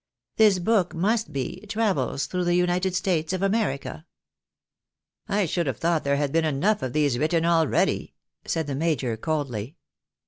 This book must be ' Travels through the United States of America.' "" I should have thought there had been enough of these written already," said the major, coldly.